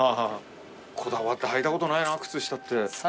こだわってはいたことないな靴下って。